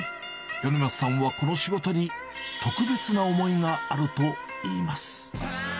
米桝さんは、この仕事に特別な思いがあるといいます。